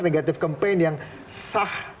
negatif campaign yang sah